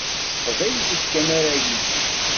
S teqbaylit kan ara yili.